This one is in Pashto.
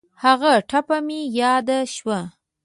هغه ټپه مې یاد شوه.